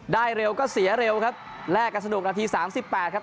ได้เร็วก็เสียเร็วครับแลกกับสนุกนาที๓๘ครับ